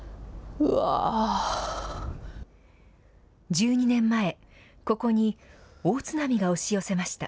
１２年前、ここに大津波が押し寄せました。